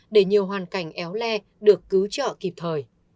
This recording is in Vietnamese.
để nhiều hoàn cảnh éo le được cứu trợ kịp thời